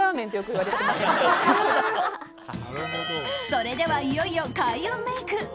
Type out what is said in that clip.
それではいよいよ、開運メイク。